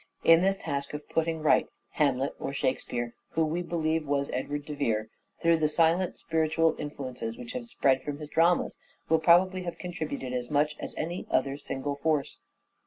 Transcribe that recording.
In this task of " putting right," Hamlet or " Shakespeare," who we believe was Edward de Vere, through the silent spiritual influences which have spread from his dramas, will probably have contributed as much as any other single force.